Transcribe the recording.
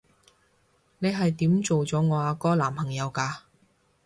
你係點做咗我阿哥男朋友㗎？